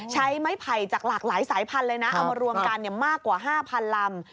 ใช้ไม้ไผ่จากหลากหลายสายพันธุ์เลยนะเอามารวมกันมากกว่า๕๐๐๐ลำ